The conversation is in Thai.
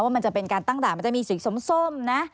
มันจะเป็นการตั้งด่านมันจะมีสีส้มนะ